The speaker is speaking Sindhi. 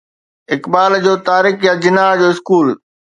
اقبال جو طارق يا جناح جو اسڪول